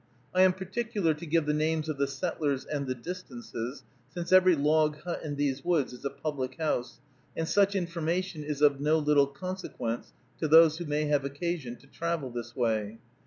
I am particular to give the names of the settlers and the distances, since every log hut in these woods is a public house, and such information is of no little consequence to those who may have occasion to travel this way.